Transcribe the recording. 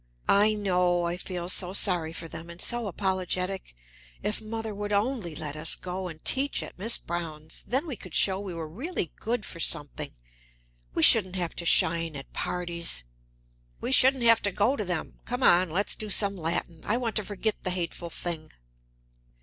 "I know! I feel so sorry for them, and so apologetic. If mother would only let us go and teach at Miss Browne's; then we could show we were really good for something. We shouldn't have to shine at parties." "We shouldn't have to go to them! Come on, let's do some Latin. I want to forget the hateful thing."